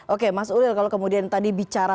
oke mas uril kalau kemudian tadi bicara